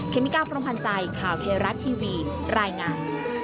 เมกาพรมพันธ์ใจข่าวเทราะทีวีรายงาน